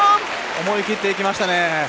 思い切っていきましたね。